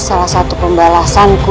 salah satu pembalasanku